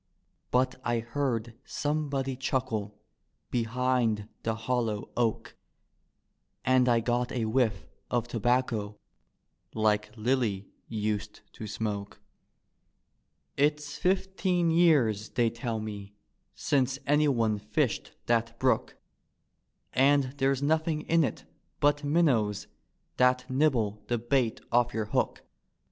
But I heard somebody chuckle behind the hollow oak And I got a whifE of tobacco like Lilly used to smoke. D,gt,, erihyGOOgle 114 The Haunted Hour It's fifteen years, they tell me, since anyone fished that brook; And there's nodiing in it but minnows that nibble the bait off your hook.